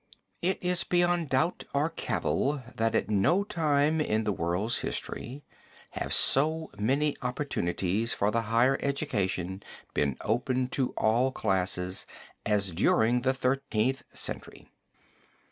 It is beyond doubt or cavil, that at no time in the world's history have so many opportunities for the higher education been open to all classes as during the Thirteenth Century.